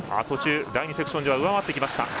途中、第２セクションでは上回ってきました。